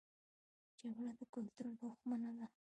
جګړه د کلتور دښمنه ده